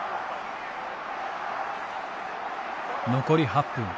残り８分。